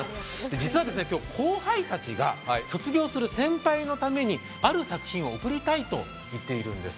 実は今日、後輩たちが卒業する先輩のためにある作品を贈りたいと言っているんです。